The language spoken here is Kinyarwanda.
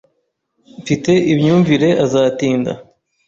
Mfite imyumvire azatinda.